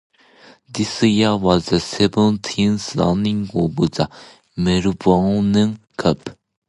This year was the seventeenth running of the Melbourne Cup.